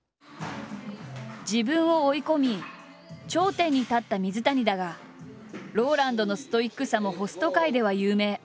自分を追い込み頂点に立った水谷だがＲＯＬＡＮＤのストイックさもホスト界では有名。